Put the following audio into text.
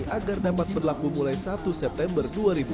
agar dapat berlaku mulai satu september dua ribu dua puluh